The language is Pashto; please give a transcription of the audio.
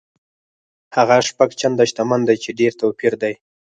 هغه شپږ چنده شتمن دی چې ډېر توپیر دی.